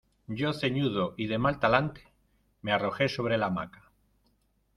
yo ceñudo y de mal talante, me arrojé sobre la hamaca